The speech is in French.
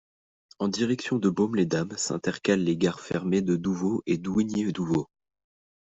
En direction de Baume-les-Dames, s'intercalent les gares fermées de Douvot et d'Ougney-Douvot.